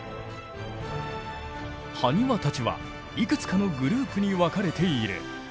ハニワたちはいくつかのグループに分かれている。